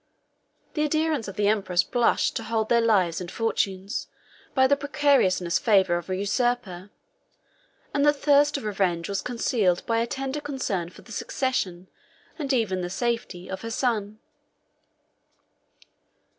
The adherents of the empress blushed to hold their lives and fortunes by the precarious favor of a usurper; and the thirst of revenge was concealed by a tender concern for the succession, and even the safety, of her son.